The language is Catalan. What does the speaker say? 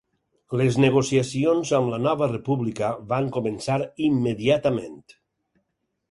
Les negociacions amb la Nova República van començar immediatament.